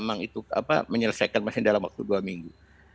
apa menyelesaikan mesin dalam waktu dua minggu